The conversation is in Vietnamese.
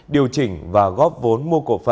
điều chỉnh và góp vốn mua cổ phần